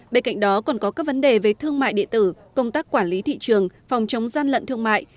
bên cạnh đó còn có các vấn đề về thương mại địa tử công tác quản lý thị trường phòng chống gian lận thương mại